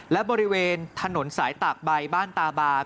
และบริเวณถนนสายตากใบบ้านตาบา